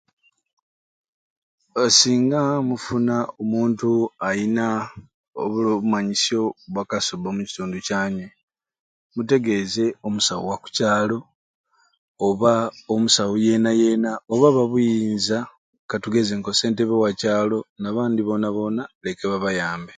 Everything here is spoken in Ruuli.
Eeh singa mufuna omuntu ayina obulo obumanyisyo bwa kasubba omukitundu kyanywe, mutegeeze omusawu wakukyalo oba omusawo yena yena oba ababuyinza katugeeze nko sentebe wakukyalo nabandj bona bona leke babayambe.